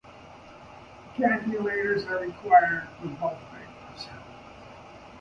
Calculators are "required" for both papers.